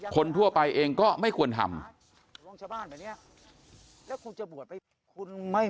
คนทั่วไปเองก็ไม่ควรทำ